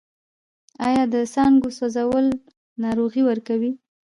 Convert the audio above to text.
آیا د څانګو سوځول ناروغۍ ورکوي؟